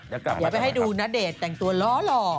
เดี๋ยวไปให้ดูณเดชน์แต่งตัวล้อหล่อ